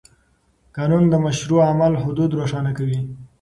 قانون د مشروع عمل حدود روښانه کوي.